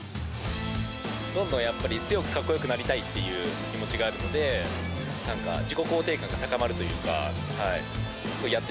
どんどんやっぱり、強く、かっこよくなりたいって気持ちがあるので、なんか自己肯定感が高まるというか。